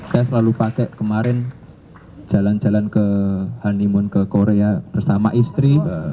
saya selalu pakai kemarin jalan jalan ke honeymoon ke korea bersama istri